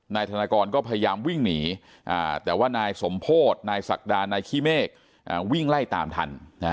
นายธนากรก็พยายามวิ่งหนีแต่ว่านายสมโพธินายศักดานายขี้เมฆวิ่งไล่ตามทัน